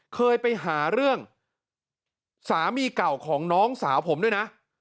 เคยไปหาเรื่องสามีเก่าของน้องสาวผมด้วยนะ